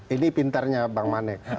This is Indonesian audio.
ini pinternya bang manek